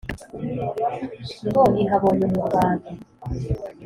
Ngo ihabonye umurwano.